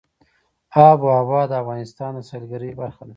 آب وهوا د افغانستان د سیلګرۍ برخه ده.